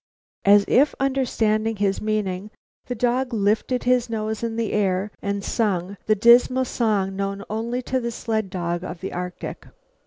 As if understanding his meaning, the dog lifted his nose in air and song, the dismal song known only to the sled dog of the Arctic.